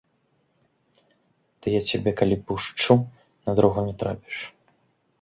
Ды я цябе калі пушчу, на дарогу не трапіш!